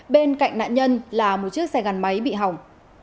bên cạnh nạn nhân là một chiếc xe gắn máy bị hỏng